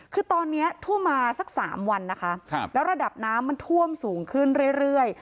คือตอนนี้ท่วมมาสัก๓วันนะคะแล้วระดับน้ำมันท่วมสูงขึ้นเรื่อย